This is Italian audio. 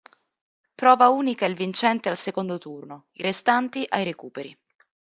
Prova unica il vincente al secondo turno, i restanti ai recuperi.